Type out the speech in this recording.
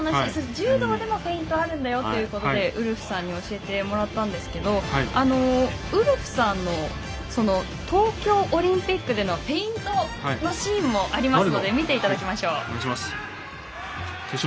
柔道でもフェイントあるんだよってことでウルフさんに教えてもらったんですけどウルフさんの東京オリンピックでのフェイントのシーンもありますので決勝戦ですね。